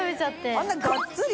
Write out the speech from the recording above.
あんながっつり？